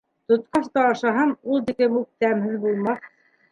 Тотҡас та ашаһам, ул тиклем үк тәмһеҙ булмаҫ.